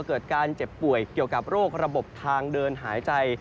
เกิดการเจ็บป่วยเกี่ยวกับโรคระบบทางเดินหายใจ